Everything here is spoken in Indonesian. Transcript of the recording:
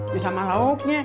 bisa sama lauknya